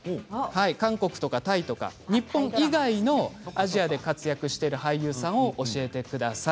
韓国やタイ、日本以外のアジアで活躍している俳優さんを教えてください。